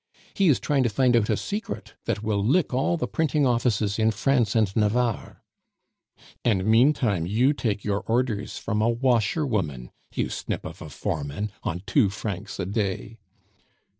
"He is trying to find out a secret that will lick all the printing offices in France and Navarre." "And meantime you take your orders from a washer woman, you snip of a foreman, on two francs a day."